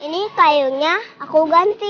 ini kayunya aku ganti